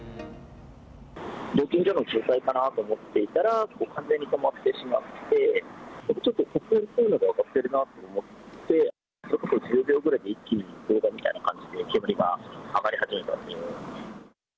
料金所の渋滞かなと思っていたら、完全に止まってしまって、ちょっと黒煙っぽいのが上がってるなと思って、１０秒くらいで一気に動画みたいな感じで煙が上がり始めたという。